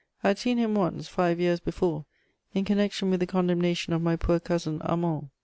I had seen him once, five years before, in connection with the condemnation of my poor Cousin Armand.